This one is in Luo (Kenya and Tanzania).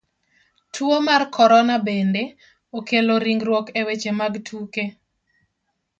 Tuo mar korona bende, okelo ringruok e weche mag tuke.